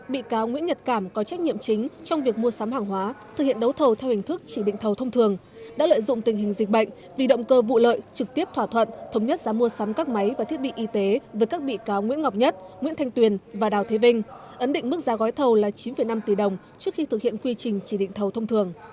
bị cáo nguyễn nhật cảm có trách nhiệm chính trong việc mua sắm hàng hóa thực hiện đấu thầu theo hình thức chỉ định thầu thông thường đã lợi dụng tình hình dịch bệnh vì động cơ vụ lợi trực tiếp thỏa thuận thống nhất giá mua sắm các máy và thiết bị y tế với các bị cáo nguyễn ngọc nhất nguyễn thanh tuyền và đào thế vinh ấn định mức giá gói thầu là chín năm tỷ đồng trước khi thực hiện quy trình chỉ định thầu thông thường